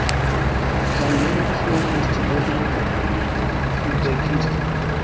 Kaj jen kiel esti bona finvenkisto.